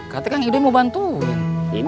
kata kang idoi mau bantuin